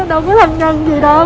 đâu có thân nhân gì đâu